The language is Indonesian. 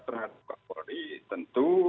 terhadap k polri tentu